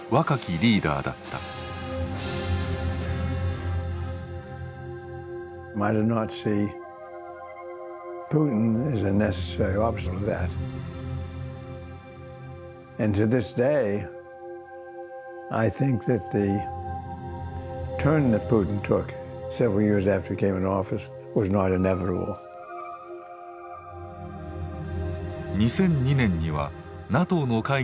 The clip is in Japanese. ２００２年にはＮＡＴＯの会議に出席。